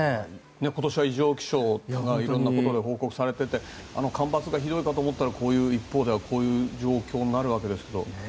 今年は異常気象がいろんなところで報告されていて干ばつがひどいかと思ったら一方ではこういう状況にあるわけですが。